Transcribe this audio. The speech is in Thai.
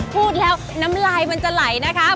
พูดแล้วน้ำลายมันจะไหลนะคะ